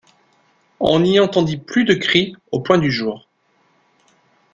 On n’y entendit plus de cris au point du jour.